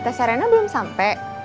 tes serena belum sampe